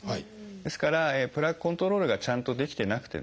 ですからプラークコントロールがちゃんとできてなくてですね